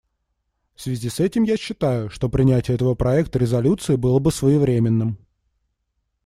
В связи с этим я считаю, что принятие этого проекта резолюции было бы своевременным.